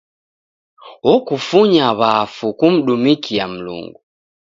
Okufunya wakfu kumdumikia Mlungu.